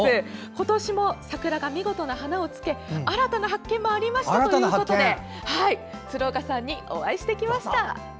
今年も桜が見事な花をつけ新たな発見もありましたということで鶴岡さんにお会いしてきました。